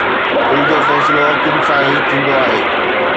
دل جو فيصلو اکين سان ئي ٿيندو آهي